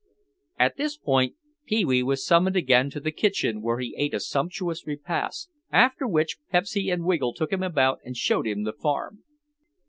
At this point Pee wee was summoned again to the kitchen where he ate a sumptuous repast, after which Pepsy and Wiggle took him about and showed him the farm.